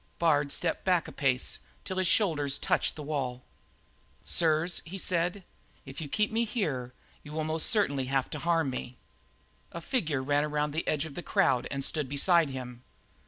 Bard stepped back a pace till his shoulders touched the wall. "Sirs," he said, "if you keep me here you will most certainly have to harm me." A figure ran around the edge of the crowd and stood beside him.